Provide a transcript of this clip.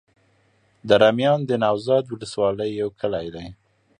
دره میان د نوزاد ولسوالي يو کلی دی.